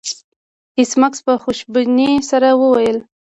ایس میکس په خوشبینۍ سره وویل